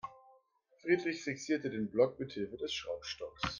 Friedrich fixierte den Block mithilfe des Schraubstocks.